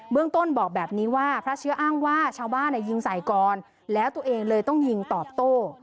เมืองต้นบอกแบบนี้ว่าพระเชื้ออ้างว่าชาวบ้านยิงใส่ก่อนแล้วตัวเองเลยต้องยิงตอบโต้